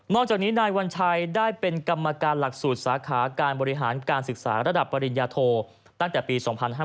จากนี้นายวัญชัยได้เป็นกรรมการหลักสูตรสาขาการบริหารการศึกษาระดับปริญญาโทตั้งแต่ปี๒๕๕๙